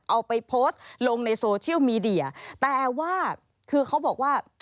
เอาไปโพสต์ลงในโซเชียลมีเดียแต่ว่าคือเขาบอกว่า